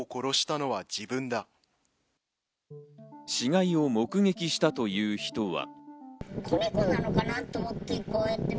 死骸を目撃したという人は。